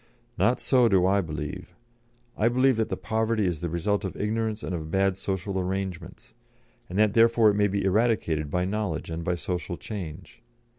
Not so do I believe. I believe that the poverty is the result of ignorance and of bad social arrangements, and that therefore it may be eradicated by knowledge and by social change.